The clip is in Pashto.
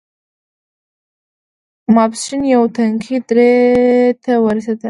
ماسپښين يوې تنګې درې ته ورسېدل.